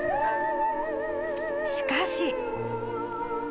［しかし］